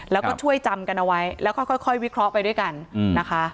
แล้วก็ช่วยจำกันเอาไว้แล้วค่อยวิเคราะห์ไปด้วยกันนะคะ